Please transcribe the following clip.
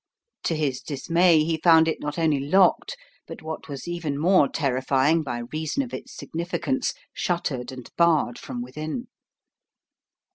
To his dismay he found it not only locked, but what was even more terrifying by reason of its significance, shuttered and barred from within!